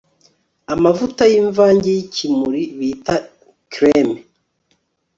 amavuta yimvange yikimuri bita kreme